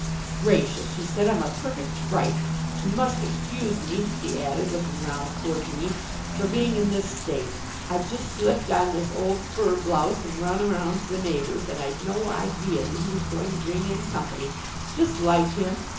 "Gracious!" she said, "I'm a perfect fright! You must excuse me," she added, looking round toward me, "for being in this state. I'd just slipped on this old fur blouse and run around to a neighbour's and I'd no idea that he was going to bring in company. Just like him!